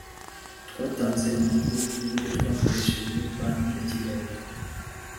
twatanze amakuru yuburyo twakoresheje banki ya kigali